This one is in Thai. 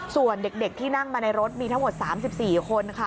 ส่วนเด็กที่นั่งมาในรถมีทั้งหมด๓๔คนค่ะ